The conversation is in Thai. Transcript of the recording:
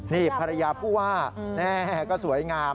นี่ภรรยาผู้ว่าแน่ก็สวยงาม